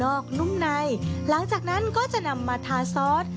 นุ่มในหลังจากนั้นก็จะนำมาทาซอส